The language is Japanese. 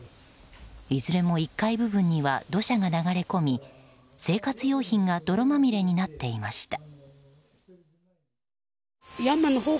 いずれも１階部分には土砂が流れ込み生活用品が泥まみれになっていました。